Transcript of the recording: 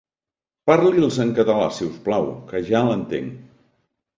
Parli'ls en català, si us plau, que ja l'entenc.